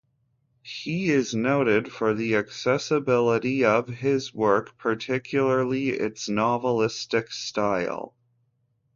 He is noted for the accessibility of his work - particularly its novelistic style.